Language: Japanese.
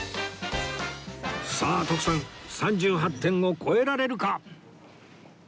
さあ徳さん３８点を超えられるか？